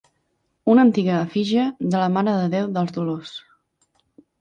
Una antiga efígie de la Mare de Déu dels Dolors.